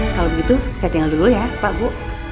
kalau begitu saya tinggal dulu ya pak bu